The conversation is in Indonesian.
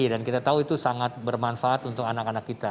dan kita tahu itu sangat bermanfaat untuk anak anak kita